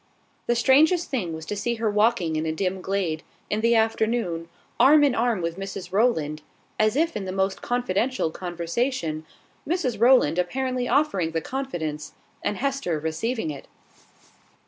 The strangest thing was to see her walking in a dim glade, in the afternoon, arm in arm with Mrs Rowland, as if in the most confidential conversation, Mrs Rowland apparently offering the confidence, and Hester receiving it.